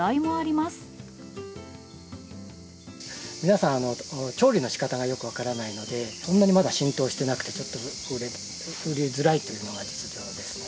皆さん、調理のしかたがよく分からないので、そんなにまだ浸透していなくて、ちょっと売れづらいというのが実情ですね。